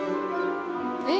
えっ？